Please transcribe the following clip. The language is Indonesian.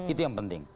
itu yang penting